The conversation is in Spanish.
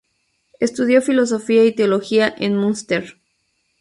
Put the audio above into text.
Estudió filosofía y teología en Münster.